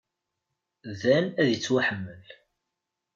Dan ad yettwaḥemmel.